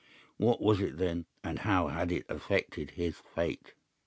What was it then, and how had it affected his fate?